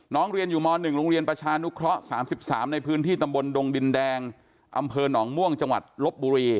เรียนอยู่ม๑โรงเรียนประชานุเคราะห์๓๓ในพื้นที่ตำบลดงดินแดงอำเภอหนองม่วงจังหวัดลบบุรี